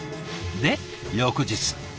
で翌日。